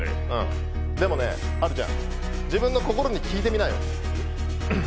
でもね、はるちゃん、自分の心に聞いてみなよ。